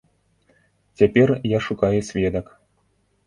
Цяпер я шукаю сведак.